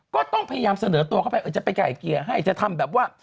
ก็ต้องพยายามเสนอตัวเข้าไปจะไปไก่เกลี่ยให้จะทำแบบว่า